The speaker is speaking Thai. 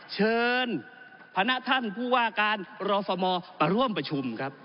เชิญพนักท่านผู้ว่าการรฟมมาร่วมประชุมครับ